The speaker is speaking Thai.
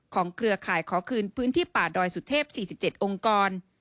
เครือข่ายขอคืนพื้นที่ป่าดอยสุเทพ๔๗องค์กร